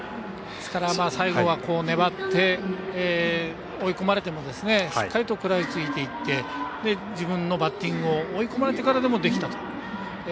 最後は、粘って、追い込まれてもしっかりと食らいついていって自分のバッティングを追い込まれてからでもできたと。